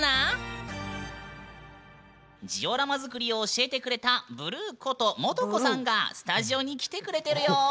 ジオラマ作りを教えてくれたブルーこともとこさんがスタジオに来てくれてるよ！